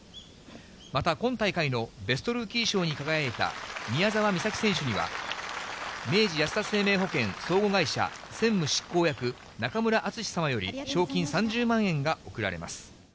また今大会のベストルーキー賞に輝いた宮澤美咲選手には、明治安田生命保険相互会社専務執行役、なかむらあつし様より、賞金３０万円が贈られます。